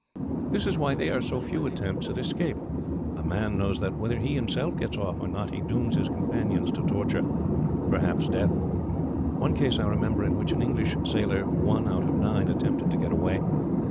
"This is why there are so few attempts at escape. A man knows that, whether he himself gets off or not, he dooms his companions to torture, perhaps death. One case I remember, in which an English sailor, one out of nine, attempted to get away.